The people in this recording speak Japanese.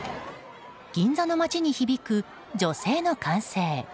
銀座の街に響く女性の歓声。